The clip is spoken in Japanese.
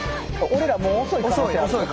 おれらもう遅い。